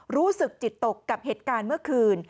รู้สึกจิตตกกับเหตุการณ์เมื่อคืน